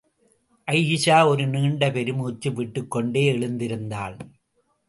அயீஷா ஒரு நீண்ட பெருமூச்சு விட்டுக்கொண்டே, எழுந்திருந்தாள்.